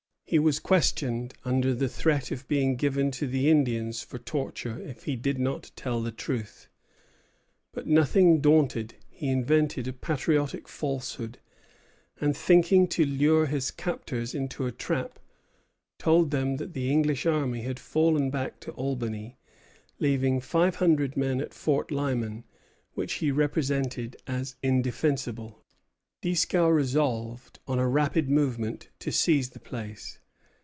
He was questioned under the threat of being given to the Indians for torture if he did not tell the truth; but, nothing daunted, he invented a patriotic falsehood; and thinking to lure his captors into a trap, told them that the English army had fallen back to Albany, leaving five hundred men at Fort Lyman, which he represented as indefensible. Dieskau resolved on a rapid movement to seize the place.